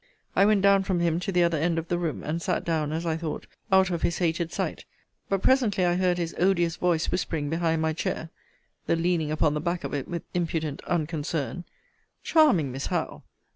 I went down from him to the other end of the room, and sat down, as I thought, out of his hated sight; but presently I heard his odious voice, whispering, behind my chair, (he leaning upon the back of it, with impudent unconcern,) Charming Miss Howe!